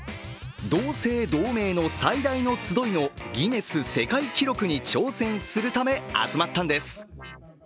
同姓同名の最大の集いのギネス世界記録に挑戦するため集まったんです。